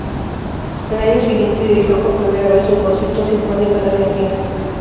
El año siguiente dirigió por primera vez un concierto sinfónico en Argentina.